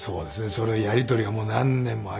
そのやり取りがもう何年もありましたね。